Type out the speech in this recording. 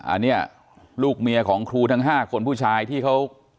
อันนี้ลูกเมียของครูทั้ง๕คนผู้ชายที่เขา